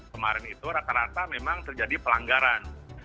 kemarin itu rata rata memang terjadi pelanggaran